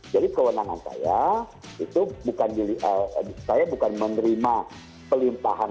jadi kewenangan saya itu bukan saya bukan menerima pelimpahan